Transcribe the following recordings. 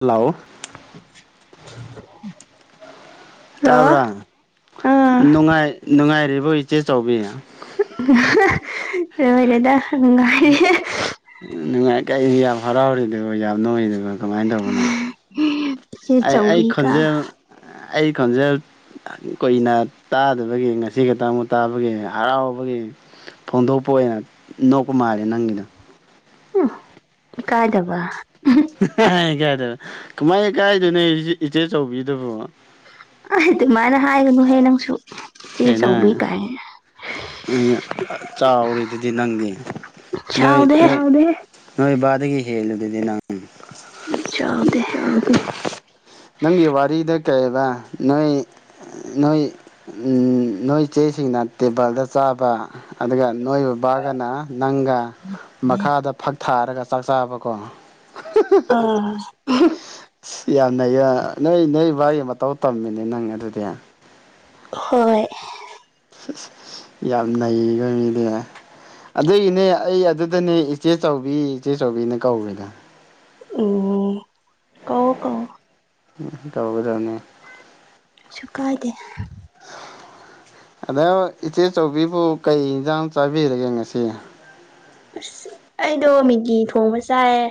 hello hello ꯇꯥꯕ ꯑꯥ ꯅꯨꯡꯉꯥꯏ ꯅꯨꯡꯉꯥꯏꯔꯤꯕꯣ ꯏꯆꯦ ꯆꯥꯎꯕꯤ [unintelligible] ꯔꯦꯗ ꯅꯨꯉꯥꯏꯔꯤ ꯅꯨꯡꯉꯥꯏ ꯀꯩ ꯌꯥꯝ ꯍꯔꯥꯎꯔꯤꯗꯨꯕ ꯌꯥꯝ ꯅꯣꯛꯔꯤꯗꯨꯕꯣ ꯀꯃꯥꯏꯅ ꯇꯧꯕꯅꯣ ꯏꯆꯦ ꯑꯩ ꯑꯩ ꯆꯧꯕꯤ ꯀ ꯈꯣꯟꯖꯦꯜ ꯑꯩ ꯈꯣꯟꯖꯦꯜ ꯀꯨꯏꯅ ꯇꯥꯗꯕꯒꯤ ꯉꯁꯤ ꯈꯛꯇꯪ ꯑꯃꯨꯛ ꯇꯥꯕꯒꯤ ꯍꯔꯥꯎꯕꯒꯤ ꯐꯣꯡꯗꯣꯛꯄ ꯑꯣꯏꯅ ꯅꯣꯛꯄ ꯃꯥꯜꯂꯦ ꯅꯪꯒꯤꯗ ꯎꯝ ꯏꯀꯥꯏꯗꯕ [unintelligible] ꯏꯀꯥꯏꯗꯅ ꯀꯃꯥꯏ ꯏꯀꯥꯏꯗꯨ ꯅꯣ ꯏꯆꯦ ꯆꯧꯕꯤꯗꯕꯣ ꯑꯩ ꯑꯗꯨꯃꯥꯏꯅ ꯍꯥꯏꯒꯅꯨꯍꯦ ꯅꯪꯁꯨ ꯏꯆꯦ ꯆꯧꯕꯤ ꯀꯥꯏ ꯆꯥꯎꯔꯤ ꯗꯨꯗꯤ ꯅꯪꯗꯤ ꯅꯣꯏ ꯁꯥꯎꯗꯦꯍꯦ ꯆꯥꯎꯗꯦꯍꯦ ꯅꯣꯏ ꯕꯥꯗꯒꯤ ꯍꯦꯜꯂꯤꯗꯨꯗꯤ ꯅꯪ ꯑꯝ ꯆꯥꯎꯗꯦ ꯅꯪꯒꯤ ꯋꯥꯔꯤꯗ ꯀꯩꯕ ꯅꯣꯏ ꯅꯣꯏ ꯅꯣꯏ ꯏꯆꯦꯁꯤꯡꯅ ꯇꯦꯕꯜꯗ ꯆꯥꯕ ꯑꯗꯨꯒ ꯅꯣꯏ ꯕꯕꯥꯒꯅ ꯅꯪꯒ ꯃꯈꯥꯗ ꯐꯛ ꯊꯥꯔꯒ ꯆꯥꯛ ꯆꯥꯕꯀꯣ ꯑꯥ [unintelligible] ꯑꯁ ꯌꯥꯝꯅ ꯅꯩꯌ ꯅꯣꯢ ꯅꯣꯏ ꯕꯥꯒꯤ ꯃꯇꯧ ꯇꯝꯃꯤꯅꯦ ꯅꯪ ꯑꯗꯨꯗꯤ ꯍꯣꯏ ꯌꯥꯝ ꯅꯩꯕ ꯃꯤꯅꯦ ꯑꯗꯨꯒꯤꯅꯦ ꯑꯩ ꯑꯗꯨꯗꯅꯦ ꯏꯆꯦ ꯆꯥꯎꯕꯤ ꯏꯆꯦꯆꯧꯕꯤꯅ ꯀꯧꯋꯤꯗꯣ ꯎꯝ ꯑꯍꯣ ꯀꯣ ꯇꯧꯒꯗꯝꯅꯦ ꯀꯩꯁꯨ ꯀꯥꯏꯗꯦ ꯑꯗꯣ ꯏꯆꯦ ꯆꯧꯕꯤꯕꯨ ꯀꯩ ꯏꯟꯁꯥꯡ ꯆꯥꯕꯤꯔꯒꯦ ꯉꯁꯤ ꯑꯩꯗꯣ ꯃꯤꯒꯤ ꯊꯣꯡꯕ ꯆꯥꯏꯑꯦ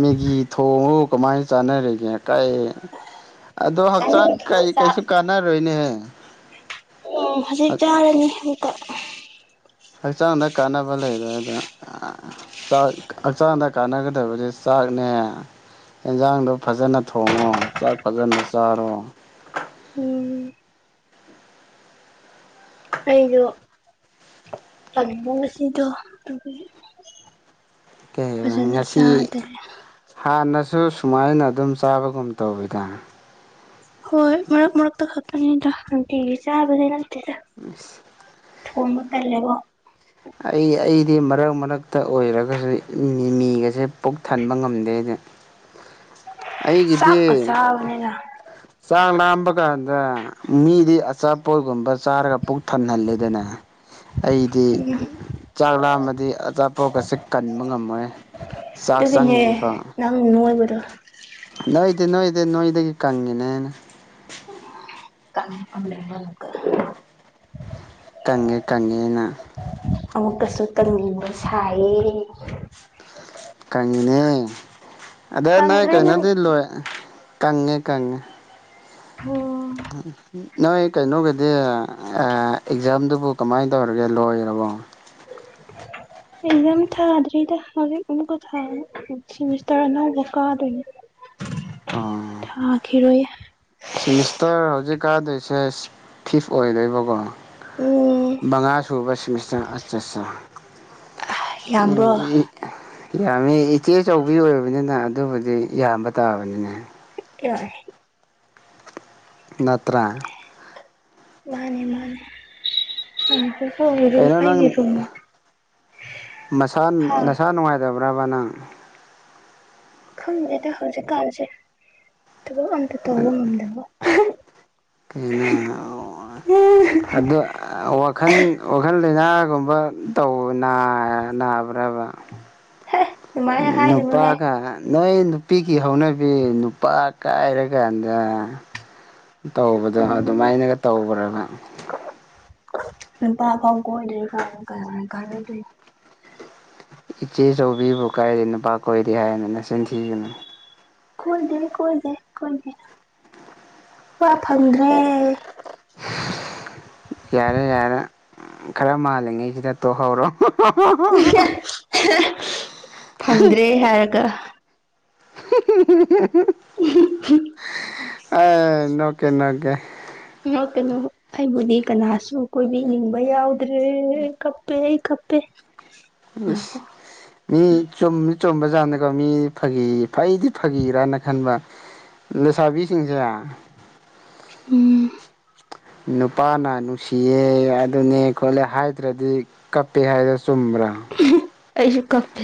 ꯃꯦꯒꯤ ꯊꯣꯡꯉꯒꯕꯨ ꯀꯃꯥꯏꯅ ꯆꯥꯟꯅꯔꯤꯒꯦ ꯀꯥꯏ ꯑꯗꯣ ꯍꯛꯆꯥꯡ ꯆꯥꯅꯤꯡꯗꯕ ꯀꯩ ꯆꯥꯛ ꯀꯩꯁꯨ ꯀꯥꯟꯅꯔꯣꯏꯅꯦꯍꯦ ꯑꯣ ꯍꯧꯖꯤꯛ ꯆꯥꯔꯅꯤ ꯑꯃꯨꯛꯀ ꯍꯛꯆꯥꯡꯗ ꯀꯥꯟꯅꯕ ꯂꯩꯔꯣꯏ ꯑꯗ ꯆꯥꯛ ꯍꯛꯆꯥꯡꯗ ꯀꯥꯟꯅꯒꯗꯕꯗꯤ ꯆꯥꯛꯅꯦ ꯌꯦꯟꯖꯥꯡꯗꯣ ꯐꯖꯅ ꯊꯣꯡꯉꯣ ꯆꯥꯛ ꯐꯖꯅ ꯆꯥꯔꯣ ꯎꯝ ꯑꯩꯗꯣ ꯇꯟꯕ ꯉꯁꯤꯗꯣ ꯑꯗꯨꯒꯤ ꯀꯩ ꯐꯖꯅ ꯉꯁꯤ ꯆꯗꯔꯦ ꯍꯥꯟꯅꯁꯨ ꯁꯨꯃꯥꯏꯅ ꯑꯗꯨꯝ ꯆꯥꯕꯒꯨꯝ ꯇꯧꯋꯤꯗꯥ ꯍꯣꯏ ꯃꯔꯛ ꯃꯔꯛ ꯇ ꯈꯛꯇꯅꯤꯗ ꯅꯨꯡꯇꯤꯒꯤ ꯆꯥꯕꯗꯤ ꯅꯇꯦꯗ ꯃꯤꯁ ꯊꯣꯡꯕ ꯇꯜꯂꯦꯕꯣ ꯑꯩ ꯑꯩꯗꯤ ꯃꯔꯛ ꯃꯔꯛꯇ ꯑꯣꯏꯔꯒꯁꯨ ꯃꯤꯃꯤꯒꯁꯦ ꯄꯨꯛ ꯊꯟꯕ ꯉꯝꯗꯦꯅꯦ ꯑꯩꯒꯤꯗꯤ ꯆꯥꯛꯀ ꯆꯥꯕꯅꯤꯅ ꯆꯥꯛ ꯂꯥꯝꯕ ꯀꯥꯟꯗ ꯃꯤꯗꯤ ꯑꯆꯥ ꯄꯣꯠꯒꯨꯝꯕ ꯆꯥꯔꯒ ꯄꯨꯛ ꯊꯟꯍꯜꯂꯦꯗꯅ ꯑꯩꯗꯤ ꯎꯝ ꯆꯥꯛ ꯂꯥꯝꯃꯗꯤ ꯑꯆꯥ ꯑꯄꯣꯠꯀꯁ ꯀꯟꯕ ꯉꯝꯃꯣꯏ ꯆꯥꯛ ꯆꯪꯗ꯭ꯔꯤꯐꯥꯎ ꯑꯝ ꯅꯨꯡꯉꯥꯏꯕꯗ ꯅꯣꯏꯗꯤ ꯅꯣꯏꯗꯤ ꯅꯣꯏꯗꯒꯤ ꯀꯪꯉꯦꯅꯦꯅ ꯀꯃꯄ ꯇꯪꯉꯦ ꯇꯪꯉꯦꯅ ꯑꯃꯨꯛꯀꯁꯨ ꯇꯟꯅꯤꯡꯕ ꯁꯥꯏꯌꯦ ꯀꯪꯉꯤꯅꯦ ꯑꯗ ꯅꯣꯏ ꯀꯪꯗ꯭ꯔꯦ ꯅꯪ ꯀꯩꯅꯣꯗꯤ ꯂꯣꯏ ꯀꯪꯉꯦ ꯀꯪꯉꯦ ꯍ UNINTELLIGIBLE ꯅꯣꯏ ꯀꯩꯅꯣꯒꯤꯗꯤ ꯑꯦꯛꯖꯥꯝꯗꯨꯕꯨ ꯀꯃꯥꯏꯅ ꯇꯧꯔꯒꯦ ꯂꯣꯏꯔꯕꯣ [unintelligible] ꯑꯦꯛꯖꯥꯝ ꯊꯥꯗ꯭ꯔꯤꯗ ꯍꯧꯖꯤꯛ ꯑꯃꯨꯛꯀ ꯊꯥ ꯁꯤꯦꯃꯤꯁꯇꯔ ꯑꯅꯧꯕ ꯀꯥꯗꯣꯏꯅꯦ ꯑ ꯇꯈꯤꯔꯣꯏ ꯁꯤꯃꯤꯁꯇꯔ ꯍꯧꯖꯤꯛ ꯀꯥꯗꯣꯏꯁꯦ ꯐꯤꯐ ꯑꯣꯏꯗꯣꯏꯕꯀꯣ ꯎꯝ ꯃꯕꯉꯥ ꯁꯨꯕꯁꯤꯡꯁ ꯑ ꯑ ꯎꯝ ꯌꯥꯝꯕ꯭ꯔꯣ ꯎꯝ ꯌꯥꯝꯃꯤ ꯏꯆꯦ ꯑꯆꯧꯕꯤ ꯑꯣꯏꯕꯅꯤꯅ ꯑꯗꯨꯕꯨꯗꯤ ꯌꯥꯝꯕ ꯇꯥꯕꯅꯤꯅꯦ ꯊ ꯀꯏ ꯅꯠꯇ꯭ꯔꯥ ꯃꯥꯅꯦ ꯃꯥꯅꯦ ꯔꯨꯝ ꯀꯩꯅꯣ ꯅꯪ ꯑꯩꯒꯤ ꯔꯨꯝ ꯅꯁꯥ ꯍꯥ ꯅꯁꯥ ꯅꯨꯡꯉꯥꯏꯇꯕ꯭ꯔꯕ ꯅꯪ ꯈꯪꯗꯉꯩꯗ ꯍꯧꯖꯤꯛꯀꯥꯟꯁꯦ ꯊꯕꯛ ꯑꯝꯇ ꯇꯧꯕ ꯉꯝꯗꯅꯕ ꯀꯅ ꯑꯗ ꯋꯥꯈꯜ ꯋꯥꯈꯜ ꯂꯩꯅꯥꯒꯨꯝꯕ ꯇ ꯅꯥꯕ꯭ꯔꯕ ꯍꯦ ꯑꯗꯨꯃꯥꯏꯅ ꯍꯥꯏꯒꯅꯨꯍꯦ ꯅꯨꯄꯥꯒ ꯅꯣꯏ ꯅꯨꯄꯤꯒꯤ ꯍꯧꯅꯕꯤ ꯅꯨꯄꯥ ꯀꯥꯏꯔꯀꯥꯟꯗ ꯇꯧꯕꯗꯣ ꯑꯗꯨꯃꯥꯏꯅꯒ ꯇꯧꯕ꯭ꯔꯒ ꯄꯥ ꯐꯥꯎ ꯀꯣꯏꯅ ꯀꯔ ꯀ ꯀ ꯏꯆꯦꯆꯧꯕꯤꯕꯨ ꯀꯥꯏꯗ ꯅꯨꯄꯥ ꯀꯣꯏꯔꯤꯦ ꯍꯥꯏꯅꯤꯅ ꯆꯤꯟꯊꯤꯈꯤꯕꯅꯣ ꯀꯣꯏꯗꯦ ꯀꯣꯏꯗꯦ ꯀꯣꯏꯗꯦ ꯋꯥ ꯐꯪꯗ꯭ꯔꯦ ꯌꯥꯔꯦ ꯌꯥꯔꯦ ꯈꯔ ꯃꯥꯜꯂꯤꯉꯩꯁꯤꯗ ꯇꯣꯛꯍꯧꯔꯣ ꯍ ꯍ ꯍ ꯍ ꯐꯪꯗ꯭ꯔꯦ ꯍꯥꯏꯔꯒ ꯑ ꯅꯣꯀꯦ ꯅꯣꯀꯦ ꯑꯣ ꯀꯩꯅꯣ ꯑꯩꯕꯨꯗꯤ ꯀꯅꯥꯁꯨ ꯀꯣꯏꯕꯤꯅꯤꯡꯕ ꯌꯥꯎꯗ꯭ꯔꯦ ꯀꯞꯄꯦ ꯑꯩ ꯀꯄ ꯄꯦ ꯏꯁꯁ ꯃꯤ ꯆꯨꯝ ꯆꯨꯝꯕꯖꯥꯠꯅꯤꯀꯣ ꯃꯤ ꯐꯥꯒꯤ ꯐꯩꯗꯤ ꯐꯒꯤꯔꯅ ꯈꯟꯕ ꯂꯩꯁꯥꯕꯤꯁꯤꯡꯁꯦ ꯎꯝ ꯅꯨꯄꯥꯅ ꯅꯨꯡꯁꯤꯌꯦ ꯑꯗꯨꯅꯦ ꯈꯣꯠꯂꯦ ꯍꯥꯏꯗ꯭ꯔꯗꯤ ꯀꯞꯄꯦ ꯍꯥꯏꯗꯣ ꯆꯨꯝꯕ꯭ꯔꯥ ꯑꯩꯁꯨ ꯀꯄꯦ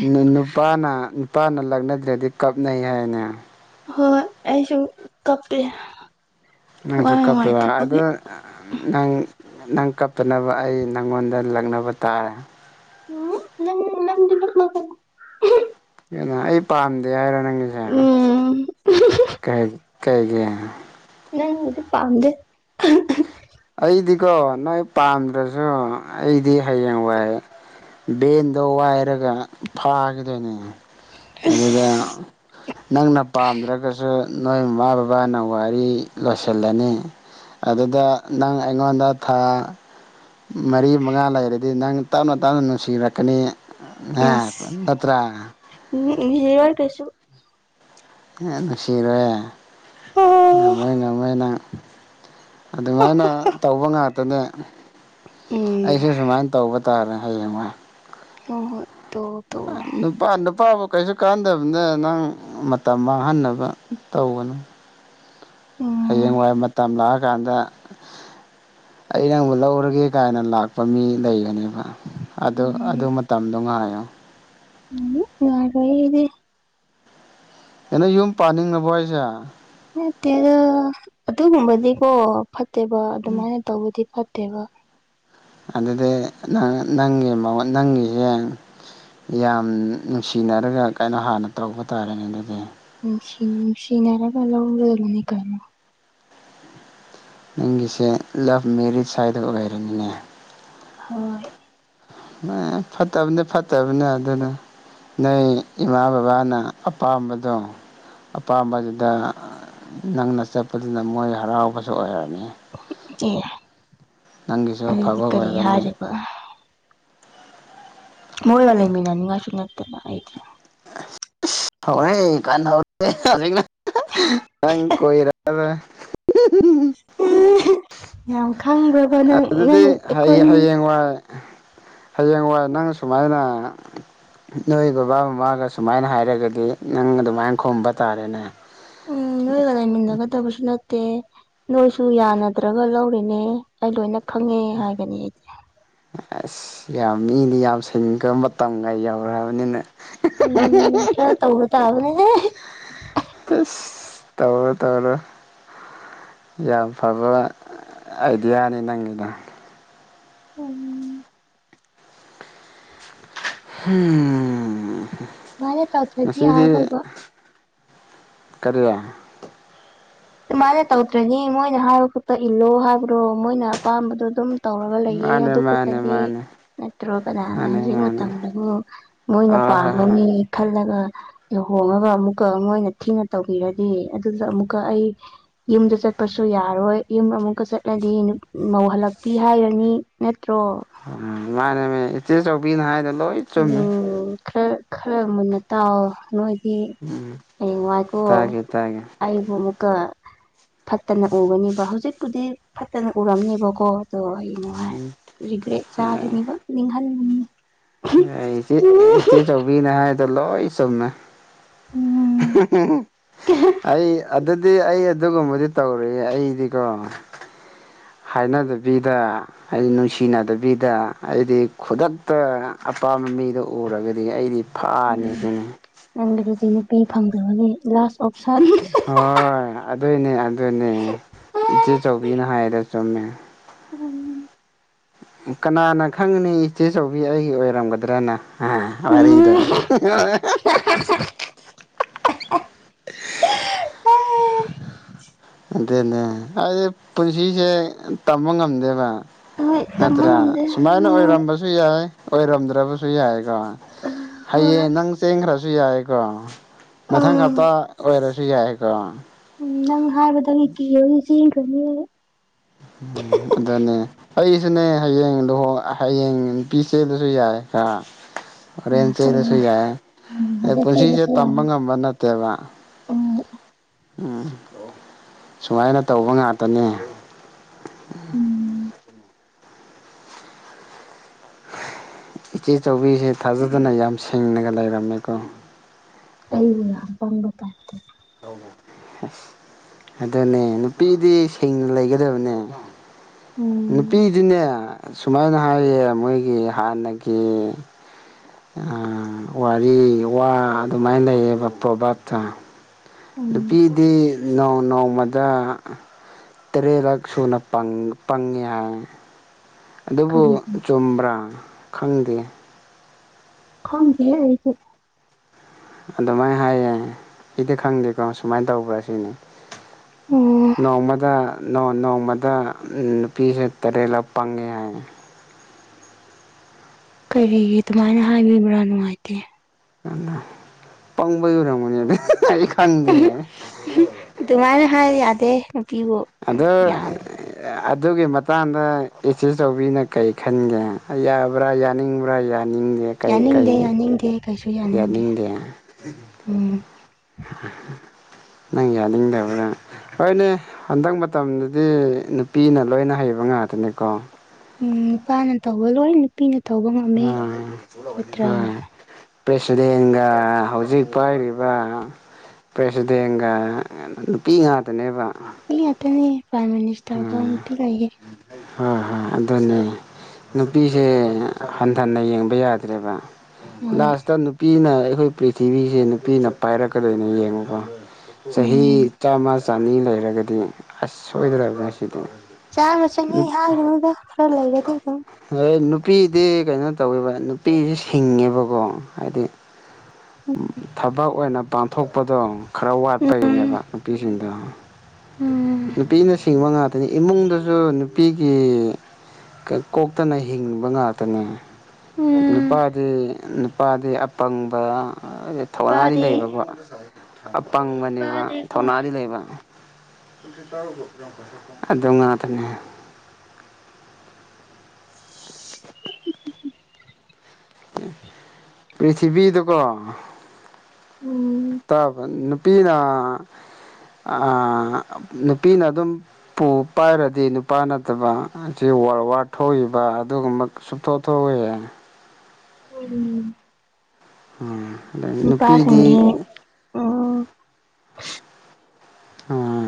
ꯅꯨꯄꯥꯅ ꯅꯨꯄꯥꯅ ꯂꯛꯅꯗ꯭ꯔꯗꯤ ꯀꯥꯞꯅꯩ ꯍꯥꯏꯅꯦ ꯍꯣꯏ ꯑꯁꯨ ꯀꯞ ꯅꯪꯁꯨ ꯀꯞꯄꯤꯔ ꯑꯣ ꯅꯪ ꯅꯪ ꯀꯞꯇꯅꯕ ꯑꯩ ꯅꯪꯉꯣꯟꯗ ꯂꯛꯅꯕ ꯇꯥꯔꯦ ꯎꯝ ꯅꯪ ꯅꯪꯗꯤ UNINTELLIGIBLE ꯑꯩ ꯄꯥꯝꯗꯦ ꯍꯥꯏꯔꯣ ꯅꯪꯒꯤꯁꯦ ꯎꯝ ꯀꯩꯒꯤꯦ ꯅꯪꯗꯤ ꯄꯥꯝꯗꯦ ꯑꯩꯗꯤꯀꯣ ꯅꯣꯏ ꯄꯥꯝꯗ꯭ꯔꯁꯨ ꯑꯩꯗꯤ ꯍꯌꯦꯡ ꯋꯥꯏ ꯚꯦꯟꯗꯣ ꯋꯥꯏꯔꯒ ꯐꯥꯒꯗꯣꯏꯅꯦ ꯑꯗꯨꯗ ꯑꯁ ꯅꯪꯅ ꯄꯥꯝꯗ꯭ꯔꯒꯁꯨ ꯅꯣꯏ ꯃꯃꯥ ꯕꯕꯥꯅ ꯋꯥꯔꯤ ꯂꯣꯏꯁꯤꯜꯂꯅꯤ ꯑꯗꯨꯗ ꯅꯪ ꯑꯩꯉꯣꯟꯗ ꯊꯥ ꯃꯔꯤ ꯃꯉꯥ ꯂꯩꯔꯗꯤ ꯅꯪ ꯇꯞꯅ ꯇꯞꯅ ꯅꯨꯡꯁꯤꯔꯛꯀꯅꯤ ꯑ ꯅꯠꯇ꯭ꯔ ꯎꯝ ꯅꯨꯡꯁꯤꯔꫭꯏ ꯀꯩꯁꯨ ꯍ ꯅꯨꯡꯁꯤꯔꯣꯏ ꯎꯝ ꯉꯝꯃꯣꯏ ꯉꯝꯃꯣꯏ ꯅꯪ ꯑꯗꯨꯃꯥꯏꯅ ꯇꯧꯕ ꯉꯥꯛꯇꯅꯦ ꯍꯣꯏ ꯑꯩꯁꯨ ꯁꯨꯃꯥꯏꯅ ꯇꯧꯕ ꯇꯥꯔꯦ ꯍꯌꯦꯡꯋꯥꯏ ꯍ ꯍꯣ ꯗꫭ ꯑꯥ ꯅꯨꯞ ꯅꯨꯄꯥ ꯅꯨꯄꯥꯕꯨ ꯀꯩꯁꯨ ꯀꯥꯟꯅꯗꯕꯗ ꯅꯪ ꯃꯇꯝ ꯃꯥꯡꯍꯟꯅꯕ ꯇꯧꯒꯅꯨ ꯎꯝ ꯍꯌꯦꯡꯋꯥꯏ ꯃꯇꯝ ꯂꯥꯛꯑꯀꯥꯟꯗ ꯑꯩ ꯅꯪꯕꯨ ꯂꯧꯔꯒꯦ ꯒꯥꯏꯅ ꯂꯥꯛꯄ ꯃꯤ ꯂꯩꯕꯅꯦꯕ ꯑꯗꯨ ꯑꯗꯨ ꯎꯝ ꯃꯇꯝꯗꯣ ꯉꯥꯏꯌꯣ ꯎꯝꯔ UNINTELLIGIBLE ꯀꯩꯅꯣꯌꯨꯝ ꯄꯥꯅꯤꯡꯉꯕꯣ ꯍꯥꯏꯁꯦ ꯅꯠꯇꯦꯗ ꯑꯗꯨꯒꯨꯝꯕꯗꯤꯀꯣ ꯐꯠꯇꯦꯕ ꯑꯗꯨꯃꯥꯏꯅ ꯇꯧꯕꯗꯤ ꯐꯠꯇꯦꯕ ꯑꯗꯨꯗꯤ ꯅꯪꯒꯤ ꯃꯌꯣꯅꯪꯒꯤꯁꯦ ꯌꯥꯝ ꯅꯨꯡꯁꯤꯅꯔꯒ ꯀꯩꯅꯣ ꯍꯥꯟꯅ ꯇꯧꯕ ꯇꯥꯔꯦꯅꯦ ꯑꯗꯨꯗꯤ ꯅꯨꯡꯁꯤ ꯅꯨꯡꯁꯤꯅꯔꯒ ꯂꯧꯒꯗꯨꯕꯅꯤ ꯀꯩꯅꫭ ꯅꯪꯒꯤꯁꯦ ꯂꯥꯞ ꯃꯦꯔꯤꯖ ꯍꯥꯏꯗꯣ ꯑꯣꯏꯔꯝꯅꯦ ꯍꯣꯏ ꯑꯦ ꯐꯠꯇꯕꯅ ꯐꯠꯇꯕꯅꯦ ꯑꯗꯨꯅꯦ ꯅꯪ ꯏꯃꯥ ꯕꯕꯥꯅ ꯑꯄꯥꯝꯕꯗꯣ ꯑꯄꯥꯝꯕꯗꯨꯗ ꯅꯪꯅ ꯆꯠꯄꯗꯨꯅ ꯃꯣꯏꯅ ꯍꯔꯥꯎꯕꯁꯨ ꯑꯣꯏꯔꯅꯤ ꯑꯦ ꯅꯪꯒꯤꯁꯨ ꯑꯗꯨꯗꯤ ꯑꯐꯕ ꯀꯔꯤ ꯑꯣꯏꯔꯅꯤ ꯍꯥꯏꯔꯤꯕ ꯃꯣꯒ ꯂꯩ ꯃꯤꯟꯅ ꯅꯤꯡ ꯉꯥꯏꯁꯨ ꯅꯠꯇꯅ ꯑꯩꯗꯤ ꯍꯧꯔꯦ ꯀꯥꯟ ꯍꯧ ꯍꯧꯖꯤꯛꯅ ꯅꯪ ꯀꯨꯔꯂꯣꯏ ꯌꯥꯝ ꯈꯪꯕꯔꯕ ꯅꯪ ꯑꯗꯨꯗꯤ ꯅꯪ ꯍꯌꯦ ꯑꯩꯈꯣꯏꯅꯤ ꯍꯌꯦꯡꯋꯥꯏ ꯍꯌꯦꯡꯋꯥꯏ ꯅꯪ ꯁꯨꯃꯥꯏꯅ ꯅꯣꯏ ꯕꯕꯥ ꯃꯃꯥꯅ ꯑꯁꯨꯃꯥꯏꯅ ꯍꯥꯏꯔꯒꯗꯤ ꯅꯪ ꯑꯗꯨꯃꯥꯏꯅ ꯈꯣꯝꯕ ꯇꯥꯔꯦꯅꯦ ꯎꯝ ꯅꯣꯏꯒ ꯂꯩꯃꯤꯟꯅꯒꯗꯕꯁꯨ ꯅꯠꯇꯦ ꯅꯣꯏꯁꯨ ꯌꯥꯅꯗ꯭ꯔꯒ ꯂꯧꯔꯤꯅꯤ ꯑꯗꯨꯅ ꯈꯪꯉꯦ ꯍꯥꯏꯒꯅꯤ ꯑꯩꯗꯤ ꯑꯁ ꯌꯥꯝ ꯃꯤꯗꯤ ꯌꯥꯝ ꯁꯤꯒꯔꯕ ꯃꯇꯝꯒ ꯌꯧꯂꯛꯑꯕꯅꯤꯅ ꯎꯝ ꯈꯔ UNINTELLIGIBLE ꯇꯧꯕ ꯇꯥꯕꯅꯦꯍꯦ ꯇꯧꯔꯣ ꯇꯧꯔꯣ ꯌꯥꯝ ꯐꯕ ꯑꯥꯏꯗꯤꯌꯥꯅꯤ ꯅꯪꯒꯤꯗꯣ ꯎꯝ [unintelligible] ꯃꯥꯅꯦ ꯇꯧꯗꯔꯗꯤ ꯌꯥꯝ ꯉꯁꯤꯗꯤ ꯂꯣꯕ ꯀꯔꯤ ꯃꯥꯅ ꯇꯧꯗ꯭ꯔꯗꯤ ꯃꯣꯏꯅ ꯍꯥꯏꯕ ꯈꯠꯇ ꯏꯜꯂꯣ ꯍꯥꯏꯕ꯭ꯔꯣ ꯃꯣꯏꯅ ꯑꯄꯥꯝꯕꯗꯣ ꯑꯗꯨꯝ ꯇꯧꯔꯒ ꯂꯩꯌꯦ ꯃꯥꯅꯦ ꯑꯗꯨ ꯃꯥꯅꯦ ꯈꯛꯇꯗꯤ ꯃꯥꯅꯦ ꯅꯠꯇ꯭ꯔꯣ ꯀꯅꯥꯅ ꯃꯥꯅꯦ ꯍꯧꯖꯤꯛ ꯃꯥꯅꯦ ꯃꯇꯝꯗꯕꯨ ꯃꯣꯏꯅ ꯑ ꯍꯣꯏ ꯄꯥꯝꯕ ꯍꯣꯏ ꯃꯤ ꯈꯜꯂꯒ ꯂꯨꯍꯣꯡꯉꯒ ꯑꯃꯨꯛꯀ ꯃꯣꯅꯊꯤꯅ ꯇꯧꯕꯤꯔꯗꯤ ꯑꯗꯨꯗ ꯑꯃꯨꯛꯀ ꯑꯩ ꯌꯨꯝꯗ ꯆꯠꯄꯁꯨ ꯌꯥꯔꯔꯣꯏ ꯌꯨꯝ ꯑꯃꯨꯛꯀ ꯆꯠꯂꯗꯤ ꯃꯧꯍꯜꯂꯛꯄꯤ ꯍꯥꯏꯔꯅꯤ ꯅꯠꯇ꯭ꯔꯣ ꯎꯝ ꯃꯥꯅꯦꯃꯦ ꯏꯆꯦ ꯆꯧꯕꯤꯅ ꯍꯥꯏꯗꯣ ꯂꯣꯏ ꯆꯨꯝꯃꯦ ꯎꯝ ꯈꯔ ꯈꯔ ꯃꯨꯟꯅ ꯇꯥꯎꯑꯣ ꯅꯣꯏ ꯑꯦ ꯎꯝ ꯍꯌꯦꯡ ꯋꯥꯏꯈꯣ ꯇꯥꯒꯦ ꯇꯥꯒꯦ ꯑꯩꯕꯨ ꯑꯃꯨꯛꯀ ꯐꯠꯇꯅ ꯎꯒꯅꯤꯕ ꯍꯧꯖꯤꯛꯄꯨꯗꯤ ꯐꯠꯇꯅ ꯎꯔꯝꯅꯦꯕꯀꯣ ꯑꯗꯣ ꯅꯨꯡꯉꯥꯏ ꯎꯝ ꯔꯤꯒ꯭ꯔꯦꯠ ꯆꯥꯒꯅꯤꯕ ꯅꯤꯡꯍꯟꯒꯅꯤ ꯑꯦ ꯏꯆꯦ ꯏꯆꯦ ꯆꯥꯎꯧꯕꯤꯅ ꯍꯥꯏꯗꯣ ꯂꯣꯏ ꯆꯨꯝꯃꯦ ꯎꯝ ꯑꯩ ꯑꯗꯨꯗꯤ ꯑꯩ ꯑꯗꯨꯒꯨꯝꯕꯗꯤ ꯇꯧꯔꯛꯏꯦ ꯑꯩꯗꯤꯀꯣ ꯍꯥꯏꯅꯗꯕꯤꯗ ꯍꯥꯏꯗꯤ ꯅꯨꯡꯁꯤꯅꯗꯕꯤꯗ ꯑꯩꯗꯤ ꯈꯨꯗꯛꯇ ꯑꯄꯥꯝꯕ ꯃꯤꯗꯣ ꯎꯔꯒꯗꯤ ꯑꯩꯗꯤ ꯐꯥꯅꯤ ꯍꯥꯏꯅꯤ ꯅꯪꯒꯤꯗꯨꯗꯤ ꯅꯨꯄꯤ ꯐꯪꯗꯕꯒꯤ ꯂꯥꯁ ꯑꯣꯞꯁꯟ ꯍꯣꯏ ꯑꯗꯨꯏꯅꯦ ꯑꯗꯨꯅꯦ ꯏꯆꯦꯆꯧꯕꯤꯅ ꯍꯥꯏꯔꯒ ꯆꯨꯝꯃꯦ ꯎꯝ ꯀꯅꯥꯅ ꯈꯪꯅꯤ ꯏꯆꯦꯆꯧꯕꯤ ꯑꯩꯒꯤ ꯑꯣꯏꯔꯝꯒꯗ꯭ꯔꯅ ꯑ ꯋꯥꯔꯤꯗꯣ ꯎꯝ [unintelligible] [unintelligible] ꯑꯗꯨꯅꯦ ꯑꯩꯗꯤ ꯄꯨꯟꯁꯤꯁꯦ ꯇꯝꯕ ꯉꯝꯗꯦꯕ ꯍꯣꯏ ꯇꯝꯕ ꯅꯠꯇ꯭ꯔꯥ ꯉꯝꯗꯦ ꯁꯨꯃꯥꯏꯅ ꯎꯝ ꯑꯣꯏꯔꯝꯕꯁꯨ ꯌꯥꯏ ꯑꯣꯏꯔꯝꯗ꯭ꯔꯕꯁꯨ ꯌꯥꯏꯀꯣ ꯍꯣꯏ ꯍꯌꯦꯡ ꯅꯪ ꯆꯦꯟꯈ꯭ꯔꯁꯨ ꯌꯥꯏꯀꯣ ꯃꯊꯪ ꯎꯝ ꯍꯞꯇꯥ ꯑꯣꯏꯔꯁꯨ ꯌꯥꯏꯀꯣ ꯅꯪ ꯍꯥꯏꯕꯗꯗꯒꯤ ꯀꯤꯍꯣꯑꯦ ꯆꯦꯡꯈ꯭ꯔꯅꯤꯌꯦ ꯎꯝ ꯑꯗꯨꯅꯦ ꯑꯩꯁꯨꯅꯦ ꯍꯌꯦꯡ ꯂꯨꯍꫭꯟ ꯍꯌꯦꯡ ꯅꯨꯄꯤ ꯆꯦꯕꯁꯨ ꯌꯥꯏ ꯀ ꯍꯣꯔꯦꯟ ꯀꯅꯥ ꯆꯩꯗꯁꯨ ꯈꯪꯕ꯭ꯔꯥ ꯌꯥꯏ ꯎꯝ ꯑ ꯍꯧꯖꯤꯛ ꯄꯨꯟꯁꯤꯁꯦ ꯆꯦꯜꯂꯁꯨ ꯇꯝꯕ ꯌꯥꯔꯦ ꯉꯝꯕ ꯅꯠꯇꯦꯕ ꯎꯝ ꯎꯝ ꯁꯨꯃꯥꯏꯅ ꯇꯧꯕ ꯉꯥꯛꯇꯅꯦ ꯎꯝ ꯏꯆꯦ ꯆꯧꯕꯤꯁꯦ ꯊꯥꯖꯗꯅ ꯌꯥꯝ ꯁꯦꯡꯅꯒ ꯂꯩꯔꯝꯃꯦꯀꯣ ꯑꯩꯕꯨꯅ ꯑꯄꯥꯝꯕ ꯇꯥꯞꯇꯥ ꯑꯁ ꯑꯗꯨꯅꯦ ꯅꯨꯄꯤꯗꯤ ꯁꯦꯡꯅ ꯂꯩꯒꯗꯕꯅꯦ ꯎꯝ ꯅꯨꯄꯤꯗꯨꯅꯦ ꯁꯨꯃꯥꯏꯅ ꯍꯥꯏꯌꯦ ꯃꯣꯏꯒꯤ ꯍꯥꯟꯅꯒꯤ ꯋꯥꯔꯤ ꯋꯥ ꯑꯗꯨꯃꯥꯏꯅ ꯂꯩꯌꯦꯕ ꯄ꯭ꯔꯣꯚꯞꯇ ꯎꯝ ꯅꯨꯄꯤꯗꯤ ꯅꯣꯡ ꯅꯣꯡꯃꯗ ꯇꯔꯦꯠꯔꯛ ꯁꯨꯅ ꯄꯪꯉꯦ ꯍꯥꯏ ꯑꯗꯨꯕꯨ ꯀꯔꯤꯒꯤ ꯆꯨꯝꯕ꯭ꯔꯥ ꯈꯪꯗꯦ ꯍꯪꯂ ꯍꯥꯏꯁꯤ ꯑꯗꯨꯃꯥꯏꯅ ꯍꯥꯏꯌꯦ ꯏꯗꯤ ꯈꯪꯗꯦꯀꯣ ꯁꯨꯃꯥꯏꯅ ꯇꯧꯕ꯭ꯔꯥ ꯁꯤꯅꯤ ꯎꯝ ꯅꯣꯡꯃꯗ ꯅꯣꯡꯃꯗ ꯅꯨꯄꯤꯁꯨ ꯇꯔꯦꯠꯂ ꯄꯪꯉꯦ ꯍꯥꯏ ꯀꯔꯤꯒꯤ ꯑꯗꯨꯃꯥꯏꯅ ꯍꯥꯏꯕꯤꯕ꯭ꯔꯥ ꯅꯨꯡꯉꯥꯏꯇꯦ ꯑ ꯄꯪꯕꯩ ꯌꯔꯝꯃꯅꯦ ꯑꯗꯨ ꯑꯩ ꯈꯪꯗꯦ ꯑꯗꯨꯃꯥꯏꯅ ꯍꯥꯏ ꯌꯥꯗꯦ ꯅꯨꯄꯤꯕꯨ ꯑꯗ ꯌꯥꯝ ꯑꯗꯨꯒꯤ ꯃꯇꯥꯡꯗ ꯏꯆꯦꯆꯤꯅ ꯀꯔꯤ ꯈꯟꯒꯦ ꯕ꯭ꯔꯥ ꯌꯥꯅꯤꯡꯕ꯭ꯔꯥ ꯌꯥꯅꯤꯡ ꯌꯦ ꯌꯥꯅꯤꯡꯗꯦ ꯌꯥꯅꯤꯡꯗꯦ ꯀꯩꯁꯨ ꯌꯥꯅꯤꯡꯗꯦ ꯎꯝ ꯅꯪ ꯌꯥꯗ ꯇꯕ꯭ꯔ ꯍꯣꯏꯅꯦ ꯍꯟꯗꯛ ꯃꯇꯝꯗꯗꯤ ꯅꯨꯄꯤꯅ ꯂꯣꯏꯅ ꯍꯩꯕ ꯉꯥꯛꯇꯅꯦꯀꯣ ꯎꯝ ꯅꯨꯄꯥꯅ ꯇꯧꯕ ꯂꯣꯏ ꯅꯨꯄꯤꯅ ꯇꯧꯕ ꯉꯝꯃꯦ ꯎꯝ ꯅꯠꯇ꯭ꯔꯥ ꯍꯣꯏ ꯄ꯭ꯔꯦꯁꯤꯗꯦꯟꯒ ꯍꯧꯖꯤꯛ ꯄꯥꯏꯔꯤꯕ ꯄ꯭ꯔꯦꯁꯤꯗꯦꯟꯒ ꯅꯨꯄꯤ ꯉꯥꯛꯇꯅꯦꯕ ꯏ ꯉꯥꯛꯇꯅꯦ ꯄꯥꯏꯃꯤꯅꯤ ꯎꯝ ꯍꯣꯏ ꯍꯣꯏ ꯑꯗꯨꯅꯦ ꯅꯨꯄꯤꯁꯦ ꯍꯟꯊꯟꯅ ꯌꯦꯡꯕ ꯌꯥꯗ꯭ꯔꯦꯕ ꯍꯣꯏ ꯂꯥꯁꯇ ꯅꯨꯄꯤꯅ ꯑꯩꯈꯣꯏ ꯄ꯭ꯔꯤꯊꯤꯕꯤꯁꯦ ꯅꯨꯄꯤꯅ ꯄꯥꯏꯔꯛꯀꯗꯣꯏꯅꯤ ꯌꯦꯡꯉꯨꯀꯣ ꯆꯍꯤ ꯎꯝ ꯆꯥꯝꯃ ꯆꯅꯤ ꯂꯩꯔꯒꯗꯤ ꯑꯁ ꯁꯣꯏꯗ꯭ꯔꯕꯅꯦ ꯁꯤꯗꯤ ꯆꯥꯃ ꯆꯅꯤ ꯍꯥꯏꯒꯅꯨꯗ ꯈꯔ ꯂꯩꯔꯗꯤ ꯑꯗꯨꯝ ꯑꯣꯏ ꯅꯨꯄꯤꯗꯤ ꯀꯩꯅꯣ ꯇꯧꯋꯦꯕ ꯅꯨꯄꯤꯁꯦ ꯁꯤꯡꯉꯦꯕꯀꯣ ꯍꯥꯏꯗꯤ ꯊꯕꯛ ꯑꯣꯏꯅ ꯄꯥꯡꯊꯣꯛꯄꯗꯣ ꯈꯔ ꯋꯥꯠꯄꯒꯤꯅꯦꯕ ꯎꯝ ꯅꯨꯄꯤꯁꯤꯡꯗꯣ ꯎꯝ ꯅꯨꯄꯤꯅ ꯁꯤꯡꯕ ꯉꯥ ꯇꯅꯤ ꯏꯃꯨꯡꯗꯁꯨ ꯅꯨꯄꯤꯒꯤ ꯀꯣꯛꯇꯅ ꯍꯤꯡꯕ ꯉꯥꯛꯇꯅꯤ ꯎꯝ ꯅꯨꯄꯥꯗꯤ ꯅꯨꯄꯥꯗꯤ ꯑꯄꯪꯕ ꯊꯧꯅꯥꯗꯤ ꯅꯨꯄꯥꯗꯤ ꯂꯩꯕꯀꯣ ꯑꯄꯪꯕꯅꯦꯕ ꯅꯨꯄꯥꯗꯤꯀꯣ ꯊꯧꯅꯥꯗꯤ ꯂꯩꯕ ꯑꯗꯨ ꯉꯥꯇꯅꯦ ꯄ꯭ꯔꯤꯊꯤꯕꯤꯗꯨꯀꯣ ꯎꯝ ꯇꯥꯕ ꯅꯨꯄꯤꯅ ꯑ ꯅꯨꯄꯤꯅ ꯑꯗꯨꯝ ꯄꯨ ꯄꯥꯏꯔꯗꯤ ꯅꯨꯄꯥ ꯅꯠꯇꯕ ꯑꯁꯤ ꯋꯔ ꯋꯥꯔ ꯊꯣꯛꯏꯕ ꯑꯗꯨꯒꯨꯝꯕ ꯁꯨꯛꯊꯣꯛ ꯊꯣꯛꯑꯣꯏꯌꯦ ꯎꯝ ꯎꯝ ꯑꯗ ꯅꯨꯄꯤꯗꯤ ꯅꯨꯄꯥꯁꯤꯡꯗꯤ ꯎꯝ ꯎꯝ